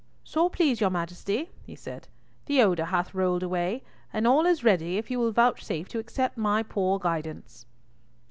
"So please your Majesty," he said, "the odour hath rolled away, and all is ready if you will vouchsafe to accept my poor guidance."